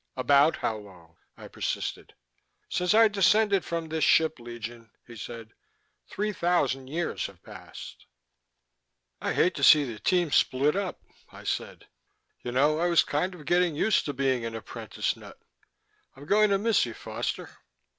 "About how long?" I persisted. "Since I descended from this ship, Legion," he said, "three thousand years have passed." "I hate to see the team split up," I said. "You know, I was kind of getting used to being an apprentice nut. I'm going to miss you, Foster."